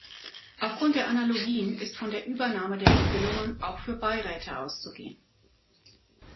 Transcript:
Aufgrund der Analogien ist von der Übernahme der Regelungen auch für Beiräte auszugehen.